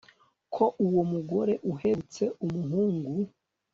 ko uwo mugore uhetse umuhungu